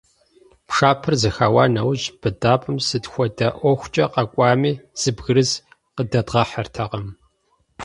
Пшапэр зэхэуа нэужь, быдапӀэм, сыт хуэдэ ӀуэхукӀэ къэкӀуами, зы бгырыс къыдэдгъэхьэртэкъым.